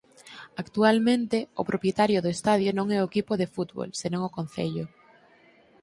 Actualmente o propietario do estadio non é o equipo de fútbol senón o Concello.